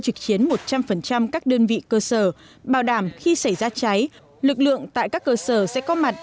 trực chiến một trăm linh các đơn vị cơ sở bảo đảm khi xảy ra cháy lực lượng tại các cơ sở sẽ có mặt